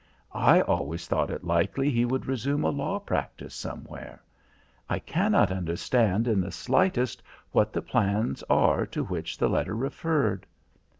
I always thought it likely he would resume a law practice somewhere. I cannot understand in the slightest what the plans are to which the letter referred."